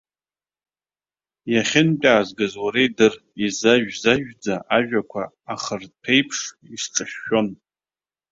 Иахьынтәаазгаз уара идыр, изажә-зажәӡа ажәақәа ахырҭәеиԥш исҿышәшәон.